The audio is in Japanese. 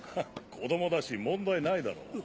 子供だし問題ないだろ。